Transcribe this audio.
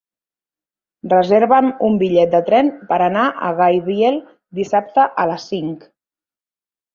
Reserva'm un bitllet de tren per anar a Gaibiel dissabte a les cinc.